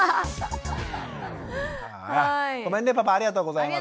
ごめんねパパありがとうございます。